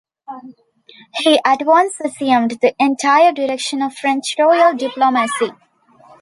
He at once assumed the entire direction of French royal diplomacy.